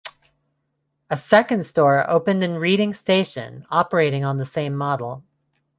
A second store opened in Reading station operating on the same model.